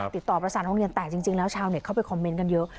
ติดต่อประสานโรงเรียนแต่จริงแล้วชาวเน็ตเข้าไปคอมเมนต์กันเยอะ